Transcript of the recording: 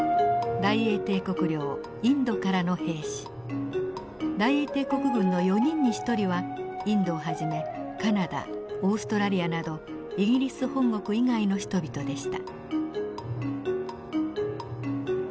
大英帝国軍の４人に１人はインドをはじめカナダオーストラリアなどイギリス本国以外の人々でした。